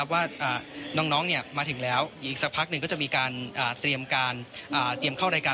ว่าน้องมาถึงแล้วอีกสักพักหนึ่งก็จะมีการเตรียมเข้ารายการ